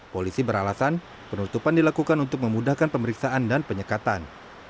polisi beralasan penutupan dilakukan untuk memudahkan pemeriksaan dan penyekatan